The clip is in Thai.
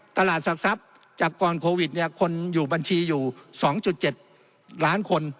ตลาดศักดิ์ทรัพย์จากก่อนโควิดเนี่ยคนอยู่บัญชีอยู่๒๗ล้านคน